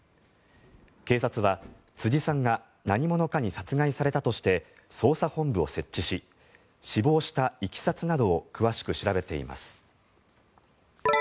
警察は、辻さんが何者かに殺害されたとして捜査本部を設置し死亡したいきさつなどを詳しく調べています。